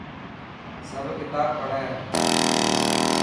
سب ڪتاب پڙهه.